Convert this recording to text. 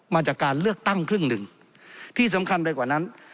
มาจากการเลือกตั้งครึ่งหนึ่งที่สำคัญไปกว่านั้น